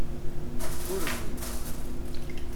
Urmen.